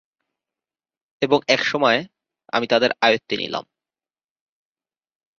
এবং, একসময় আমি তাদের আয়ত্তে নিলাম।